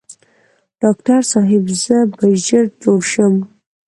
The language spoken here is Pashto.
ډاکټر صاحب زه به ژر جوړ شم؟